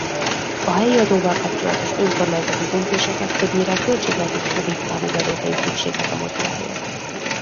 A helyi adóval kapcsolatos önkormányzati döntéseket többnyire a költségvetés rövid távú bevételi szükséglete motiválja.